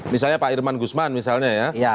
misalnya pak irman gusman misalnya ya